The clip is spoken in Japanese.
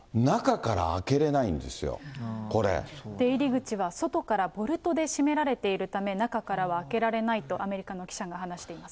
出入り口は外からボルトで締められているため、中からは開けられないと、アメリカの記者が話しています。